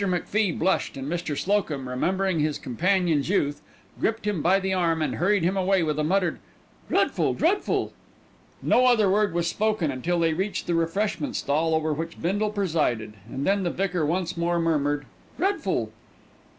McFie blushed, and Mr. Slocum, remembering his companion's youth, gripped him by the arm and hurried him away with a muttered, "Dreadful, dreadful!" No other word was spoken until they reached the refreshment stall over which Bindle presided, and then the vicar once more murmured, "Dreadful!"